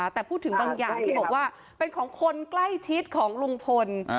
แต่พูดถึงบางอย่างที่บอกว่าเป็นของคนใกล้ชิดของลุงพล